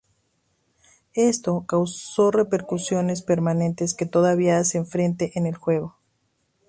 Esto causó repercusiones permanentes que todavía hacen frente en el juego.